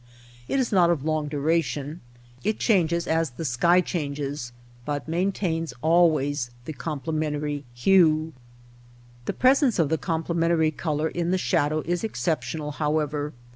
It is not of long duration. It changes as the sky changes, but maintains always the complementary hue. The presence of the complementary color in the shadow is exceptional, however.